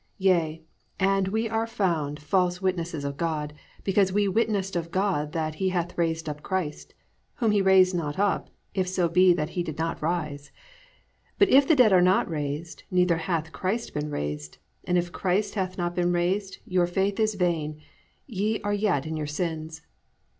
Yea, and we are found false witnesses of God, because we witnessed of God that he hath raised up Christ: whom he raised not up, if so be that he did not rise. But if the dead are not raised; neither hath Christ been raised: and if Christ hath not been raised, your faith is vain; ye are yet in your sins.